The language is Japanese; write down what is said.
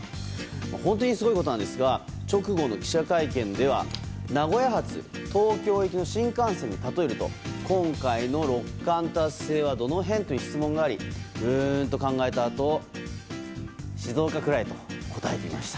本当にすごいことなんですが直後の記者会見では名古屋発東京行きの新幹線で例えると今回の六冠達成はどの辺？という質問がありうーんと考えたあと静岡くらいと答えていました。